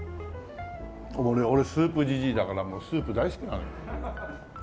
俺スープじじいだからもうスープ大好きなのよ。